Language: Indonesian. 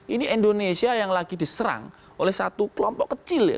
ini indonesia yang lagi diserang oleh satu kelompok kecil ya